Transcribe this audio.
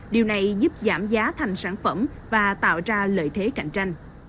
điều này giúp giảm giá thành sản phẩm và tạo ra lợi thế cạnh tranh